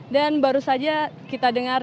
dan baru saja kita dengar